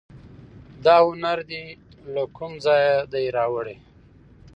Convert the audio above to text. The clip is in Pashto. دا هنر دي له کوم ځایه دی راوړی